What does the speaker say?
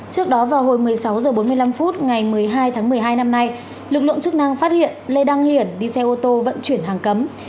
trước đó vào hồi một mươi sáu h bốn mươi năm phút ngày một mươi hai tháng một mươi hai năm nay lực lượng chức năng phát hiện lê đăng hiển đi xe ô tô vận chuyển hàng cấm